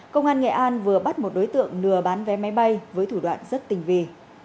công an nghệ an vừa bắt một đối tượng lừa bán vé máy bay với thủ đoạn rất tình vị